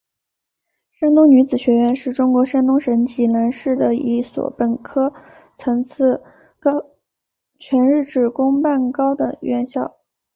山东女子学院是中国山东省济南市的一所本科层次全日制公办高等院校。